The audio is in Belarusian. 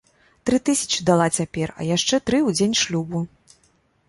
Тры тысячы дала цяпер, а яшчэ тры ў дзень шлюбу.